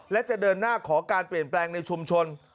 และจะเดินหน้าขอการเปลี่ยนแปลงในชุมชน